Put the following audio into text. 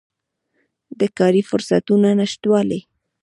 د کاري فرصتونو نشتوالی